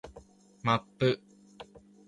マップ